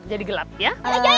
jadi gelap ya